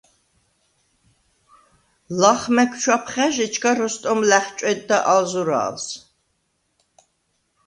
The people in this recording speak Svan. ლახ მა̈გ ჩვაფხა̈ჟ, ეჩქა როსტომ ლა̈ხჭვედდა ალ ზურა̄ლს: